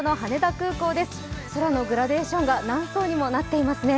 空のグラデーションが何層にもなっていますね。